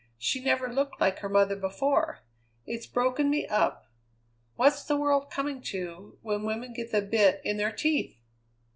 She never looked like her mother before. It's broken me up. What's the world coming to, when women get the bit in their teeth?"